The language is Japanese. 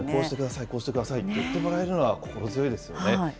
こうしてください、こうしてくださいって言ってもらえるのが、心強いですよね。